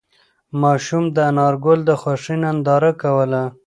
ماشوم د انارګل د خوښۍ ننداره کوله.